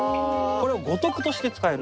これを五徳として使える。